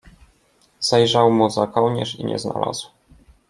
Zajrzał mu za kołnierz i nie znalazł.